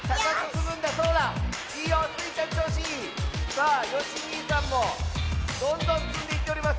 さあよしにいさんもどんどんつんでいっております！